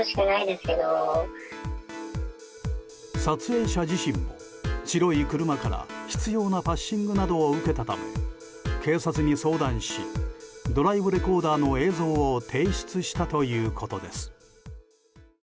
撮影者自身も白い車から執拗なパッシングなどを受けたため、警察に相談しドライブレコーダーの映像を提出したということです。